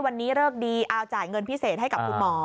วันนี้เลิกดีเอาจ่ายเงินพิเศษให้กับคุณหมอ